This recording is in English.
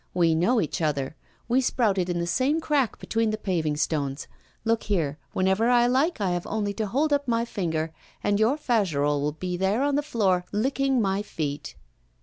We know each other; we sprouted in the same crack between the paving stones. Look here, whenever I like, I have only to hold up my finger, and your Fagerolles will be there on the floor, licking my feet.